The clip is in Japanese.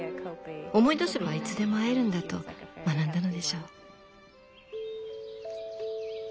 思い出せばいつでも会えるんだと学んだのでしょう。